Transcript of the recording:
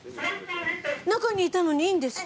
中にいたのにいいんですか？